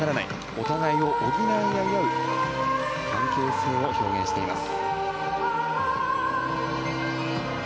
お互いを補い合う関係性を表現しています。